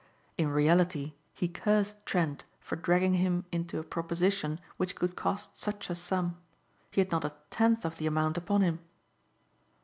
In reality he cursed Trent for dragging him into a proposition which could cost such a sum. He had not a tenth of the amount upon him.